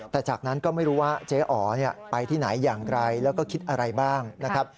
แต่จากนั้นก็ไม่รู้ว่าเจ๊อ๋อไปที่ไหนอย่างไรแล้วก็คิดอะไรบ้างนะครับ